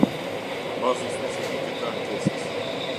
Bazën specifike të ankesës.